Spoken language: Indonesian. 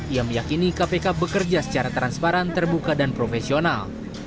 ia meyakini kpk bekerja secara transparan terbuka dan profesional